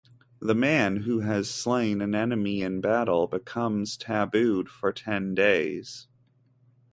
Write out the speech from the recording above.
The man who has slain an enemy in battle becomes tabooed for ten days.